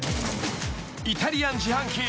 ［イタリアン自販機。